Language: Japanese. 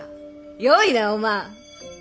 よいなお万。